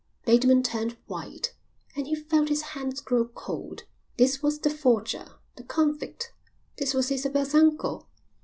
Bateman turned white and he felt his hands grow cold. This was the forger, the convict, this was Isabel's uncle.